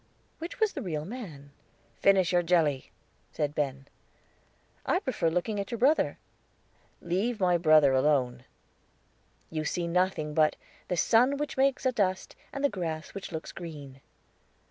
Which was the real man? "Finish your jelly," said Ben. "I prefer looking at your brother." "Leave my brother alone." "You see nothing but 'the sun which makes a dust, and the grass which looks green.'"